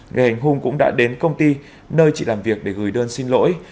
người hành hung cũng đã đến công ty nơi chị làm việc để gửi đơn xin lỗi